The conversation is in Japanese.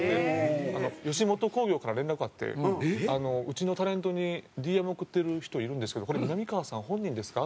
吉本興業から連絡あって「うちのタレントにＤＭ送ってる人いるんですけどこれみなみかわさん本人ですか？」